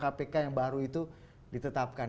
kpk yang baru itu ditetapkan